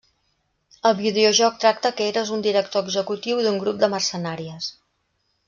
El videojoc tracta que eres un director executiu d'un grup de mercenàries.